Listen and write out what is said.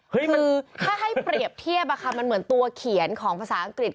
คือถ้าให้เปรียบเทียบมันเหมือนตัวเขียนของภาษาอังกฤษ